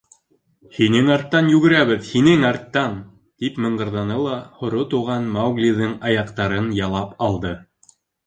— Һинең арттан йүгерәбеҙ, һинең арттан... — тип мыңғырҙаны ла һоро Туған Мауглиҙың аяҡтарын ялап алды.